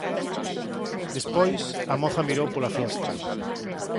Despois, a moza mirou pola fiestra.